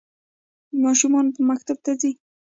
ماشومان به مکتب ته ځي؟